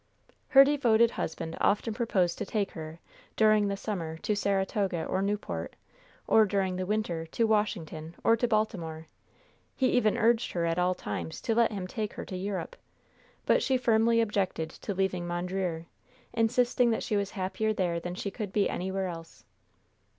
Her devoted husband often proposed to take her, during the summer, to Saratoga or Newport; or, during the winter, to Washington or to Baltimore; he even urged her at all times to let him take her to Europe. But she firmly objected to leaving Mondreer, insisting that she was happier there than she could be anywhere else.